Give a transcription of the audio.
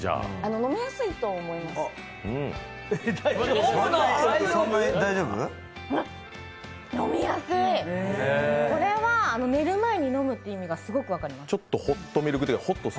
飲みやすい、これは寝る前に飲む意味が分かります。